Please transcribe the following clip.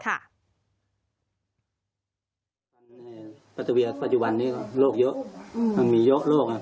ในปัสเวียปัจจุบันนี้โลกเยอะมันมีเยอะโลก